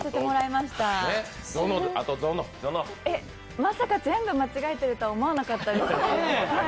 まさか全部間違えてるとは思わなかったです。